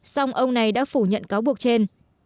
xong ông này đã phủ nhận cáo buộc trên